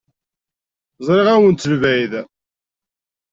Zṛiɣ-awen-d seg lebɛid.